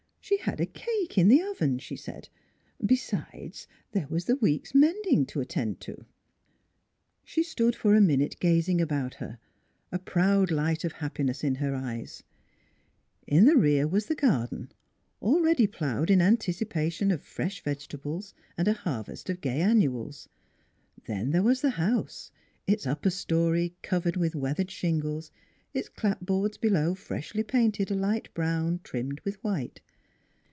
She had a cake in the oven, she said. Besides, there was the week's mending to attend to. She stood for a minute gazing about her, a proud light of happi ness in her eyes; in the rear was the garden, already plowed in anticipation of fresh vegetables and a harvest of gay annuals; then there was the house, its upper story covered with weathered shingles, its clapboards below freshly painted a light brown, trimmed with white.